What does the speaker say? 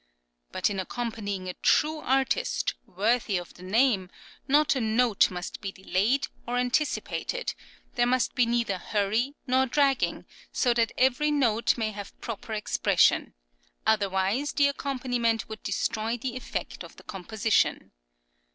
But in accompanying a true artist, worthy of the name, not a note must be delayed or anticipated, there must be neither hurry nor dragging, so that every note may have proper expression, otherwise the accompaniment would destroy the effect of the composition.